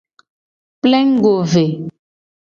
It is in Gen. Plengugo ve.